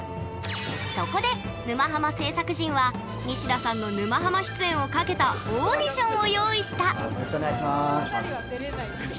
そこで「沼ハマ」制作陣はニシダさんの「沼ハマ」出演をかけたオーディションを用意したよろしくお願いします。